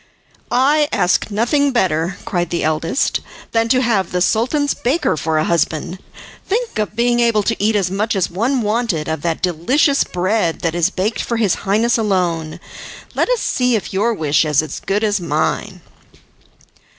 "I ask nothing better," cried the eldest, "than to have the Sultan's baker for a husband. Think of being able to eat as much as one wanted, of that delicious bread that is baked for his Highness alone! Let us see if your wish is as good as mine."